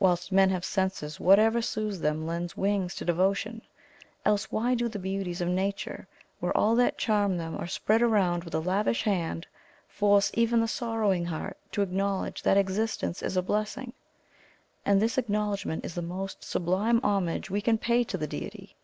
Whilst men have senses, whatever soothes them lends wings to devotion; else why do the beauties of nature, where all that charm them are spread around with a lavish hand, force even the sorrowing heart to acknowledge that existence is a blessing? and this acknowledgment is the most sublime homage we can pay to the Deity.